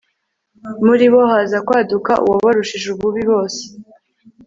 muri bo haza kwaduka uwabarushije ububi bose